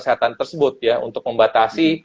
kesehatan tersebut ya untuk membatasi